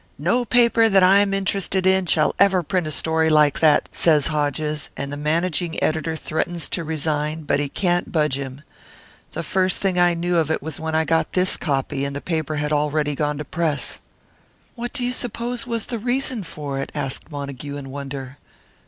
'No paper that I am interested in shall ever print a story like that!' says Hodges; and the managing editor threatens to resign, but he can't budge him. The first thing I knew of it was when I got this copy; and the paper had already gone to press." "What do you suppose was the reason for it?" asked Montague, in wonder.